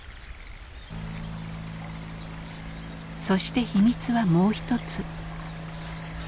そして秘密はもう一つ。